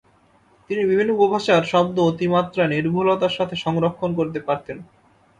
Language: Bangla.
তিনি বিভিন্ন উপভাষার শব্দ অতি মাত্রায় নির্ভুলতার সাথে সংরক্ষণ করতে পারতেন।